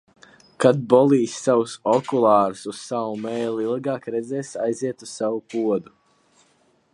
Kad bolīs savus okulārus uz savu mēli, ilgāk redzēs aiziet uz savu podu.